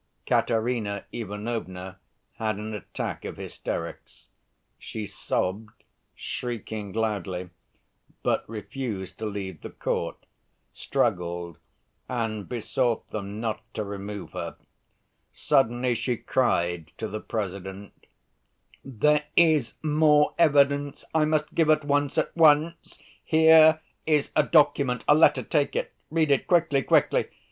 Katerina Ivanovna had an attack of hysterics. She sobbed, shrieking loudly, but refused to leave the court, struggled, and besought them not to remove her. Suddenly she cried to the President: "There is more evidence I must give at once ... at once! Here is a document, a letter ... take it, read it quickly, quickly!